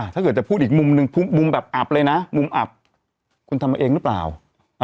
ถ้าเกิดจะพูดอีกมุมนึงมุมแบบอับเลยนะมุมอับคุณทำมาเองหรือเปล่า